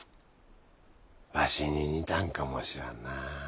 ワシに似たんかもしらんな。